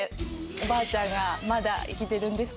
おばあちゃんがまだ生きてるんです。